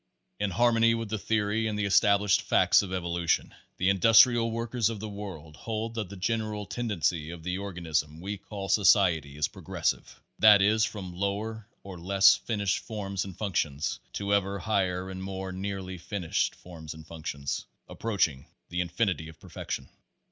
In harmony with the theory and the established facts of evolution, the Industrial Workers of the World holds that the general tendency of the organism we call Society is progressive that is, from lower or less fin ished forms and functions, to ever higher and more nearly finished forms and functions, approaching the infinity of perfection.